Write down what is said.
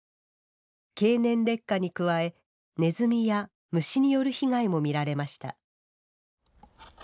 経年劣化に加え、ネズミや虫による被害も見られました。